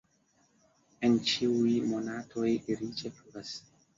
En ĉiuj monatoj riĉe pluvas.